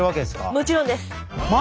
もちろんです。